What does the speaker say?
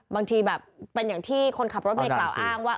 บางทีแบบเป็นอย่างที่คนขับรถเมฆกล่าวอ้างว่า